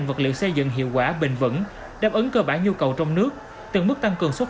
vật liệu xây dựng hiệu quả bền vững đáp ứng cơ bản nhu cầu trong nước từng mức tăng cường xuất